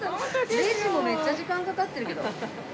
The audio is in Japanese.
レジもめっちゃ時間かかってるけど。